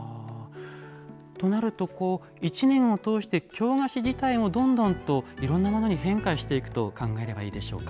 となると１年を通して京菓子自体もどんどんといろんなものに変化していくと考えればいいでしょうか？